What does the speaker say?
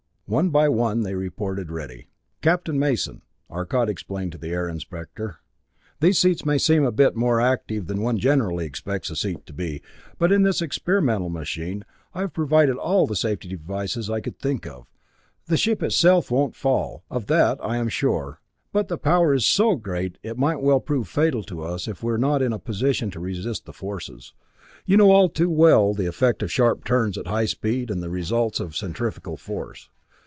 One by one they reported ready. "Captain Mason," Arcot explained to the Air Inspector, "these seats may seem to be a bit more active than one generally expects a seat to be, but in this experimental machine, I have provided all the safety devices I could think of. The ship itself won't fall, of that I am sure, but the power is so great it might well prove fatal to us if we are not in a position to resist the forces. You know all too well the effect of sharp turns at high speed and the results of the centrifugal force.